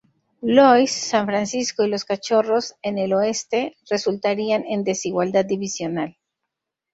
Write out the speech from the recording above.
Louis, San Francisco y los Cachorros- en el Oeste resultarían en desigualdad divisional.